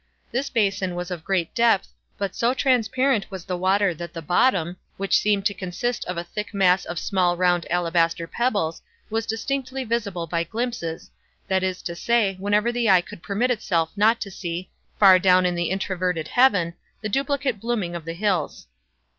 This basin was of great depth, but so transparent was the water that the bottom, which seemed to consist of a thick mass of small round alabaster pebbles, was distinctly visible by glimpses—that is to say, whenever the eye could permit itself not to see, far down in the inverted heaven, the duplicate blooming of the hills.